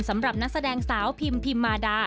สำหรับนักแสดงสาวพิมพิมมาดา